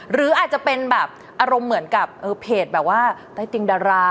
หรืออาจจะเป็นแบบอารมณ์เหมือนกับเพจแบบว่าใต้ติงดารา